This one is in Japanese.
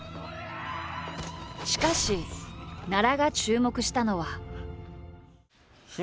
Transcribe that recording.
しかし奈良が注目したのは。